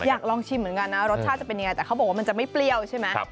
อยากลองชิมเหมือนกันนะรสชาติจะเป็นยังไงแต่เขาบอกว่ามันจะไม่เปรี้ยวใช่ไหม